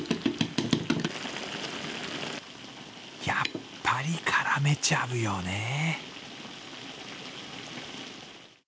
やっぱり絡めちゃうよね。